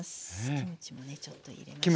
キムチもねちょっと入れましょう。